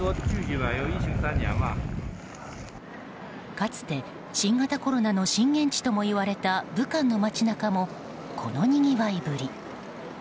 かつて新型コロナの震源地ともいわれた武漢の街中もこのにぎわいぶり。